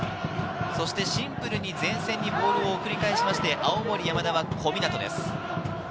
シンプルに前線にボールを繰り返しまして、青森山田は小湊です。